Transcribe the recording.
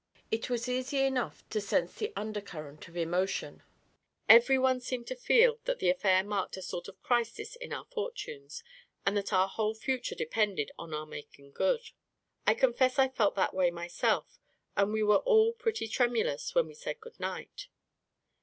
It was easy enough to sense the undercurrent of emotion — ev eryone seemed to feel that the affair marked a sort of crisis in our fortunes, and that our whole future depended on our making good. I confess I felt that way myself, and we were all pretty tremulous when we said good night.